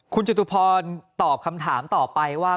คุณจตุพรตอบคำถามต่อไปว่า